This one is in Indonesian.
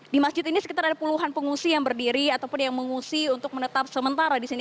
di masjid ini sekitar ada puluhan pengungsi yang berdiri ataupun yang mengungsi untuk menetap sementara di sini